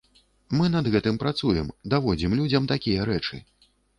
Мы над гэтым працуем, даводзім людзям такія рэчы.